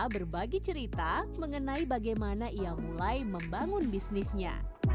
berbagi cerita mengenai bagaimana ia mulai membangun bisnisnya